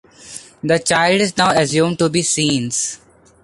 The child is now assumed to be Sean's.